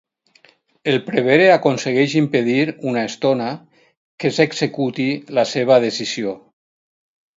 El prevere aconsegueix impedir una estona que s'executi la seva decisió.